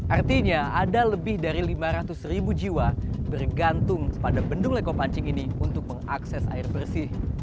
artinya ada lebih dari lima ratus ribu jiwa bergantung pada bendung leko pancing ini untuk mengakses air bersih